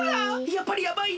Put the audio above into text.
やっぱりやばいで！